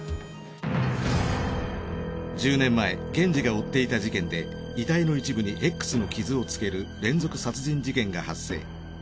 １０年前源次が追っていた事件で遺体の一部にＸの傷を付ける連続殺人事件が発生。